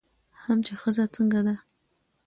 هم چې ښځه څنګه ده